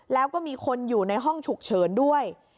แล้วก็มีคนอยู่ในห้องฉุกเฉินด้วย